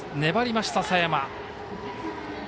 粘りました、佐山。